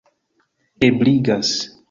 ebligas